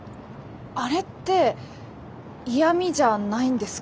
あれって嫌みじゃないんですか？